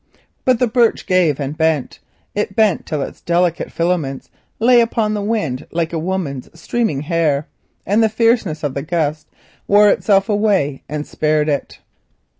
But the birch gave and bent; it bent till its delicate filaments lay upon the wind like a woman's streaming hair, and the fierceness of the blast wore itself away and spared it.